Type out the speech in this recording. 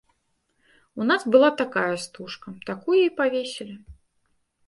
У нас была такая стужка, такую і павесілі.